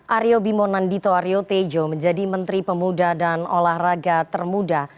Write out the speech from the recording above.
aryo bimonan dito aryo tejo menjadi menteri pemuda dan olahraga termuda